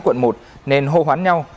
quận một nền hồ hoán nhau